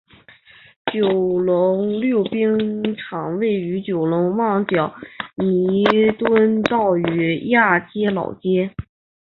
九龙溜冰场位于九龙旺角弥敦道与亚皆老街。